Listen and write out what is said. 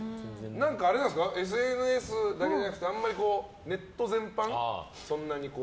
ＳＮＳだけじゃなくてあんまりネット全般、そんなに？